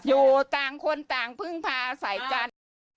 อยู่ต่างคนต่างพึ่งพาใส่กัน